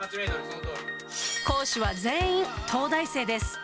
講師は全員東大生です。